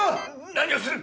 何をする！